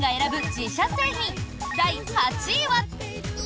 自社製品第８位は。